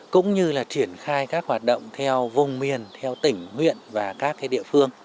cũng như triển khai các hoạt động theo vùng miền tỉnh huyện và các địa phương